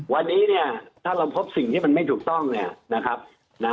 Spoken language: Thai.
วันนี้เนี่ยถ้าเราพบสิ่งที่มันไม่ถูกต้องเนี่ยนะครับนะ